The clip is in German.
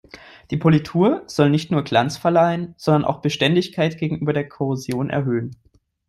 Die Politur soll nicht nur Glanz verleihen, sondern auch Beständigkeit gegenüber der Korrosion erhöhen.